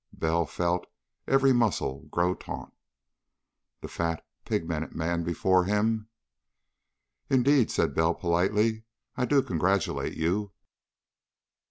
Bell felt every muscle grow taut. The fat, pigmented man before him.... "Indeed," said Bell politely, "I do congratulate you."